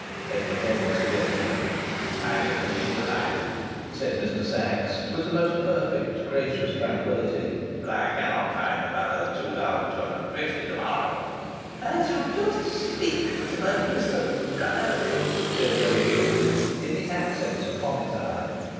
Edward Henry suggested. "I should have been delighted," said Mr. Sachs, with the most perfect gracious tranquillity. "But I cannot find another £2250 to morrow." "I shall just speak to that Mr. Bryany!" said Rose Euclid, in the accents of homicide.